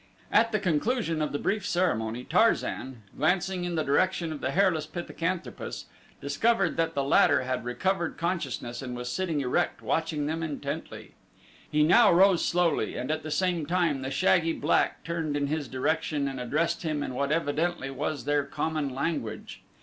At the conclusion of the brief ceremony Tarzan, glancing in the direction of the hairless pithecanthropus, discovered that the latter had recovered consciousness and was sitting erect watching them intently. He now rose slowly and at the same time the shaggy black turned in his direction and addressed him in what evidently was their common language.